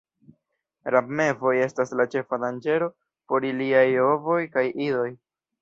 Rabmevoj estas la ĉefa danĝero por iliaj ovoj kaj idoj.